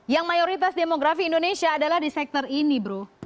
yang mayoritas demografi indonesia adalah di sektor ini bro